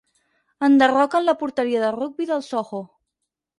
Enderroquen la porteria de rugbi del Soho.